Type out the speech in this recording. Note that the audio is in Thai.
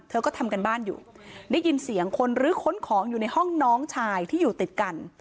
ก็ทำการบ้านอยู่ได้ยินเสียงคนรื้อค้นของอยู่ในห้องน้องชายที่อยู่ติดกัน